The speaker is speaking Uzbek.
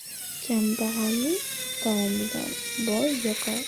• Kambag‘alning taomidan boy yoqa ushlaydi.